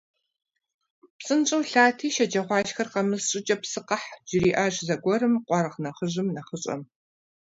- ПсынщӀэу лъати шэджагъуашхэр къэмыс щӀыкӀэ псы къэхь, - жриӀащ зэгуэрым къуаргъ нэхъыжьым нэхъыщӀэм.